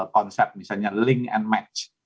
konsep misalnya link and match